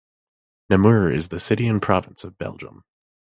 Namur is a city and province in Belgium.